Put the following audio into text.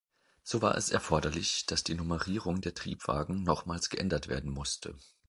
So war es erforderlich, dass die Nummerierung der Triebwagen nochmals geändert werden musste.